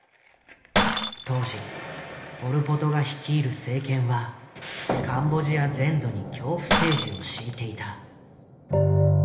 当時ポル・ポトが率いる政権はカンボジア全土に恐怖政治を敷いていた。